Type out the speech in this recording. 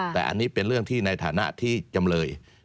แต่อันนี้เป็นเรื่องที่ในฐานะที่จำเลย